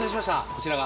こちらが。